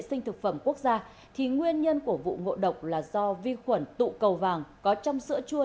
sinh thực phẩm quốc gia thì nguyên nhân của vụ ngộ độc là do vi khuẩn tụ cầu vàng có trong sữa chua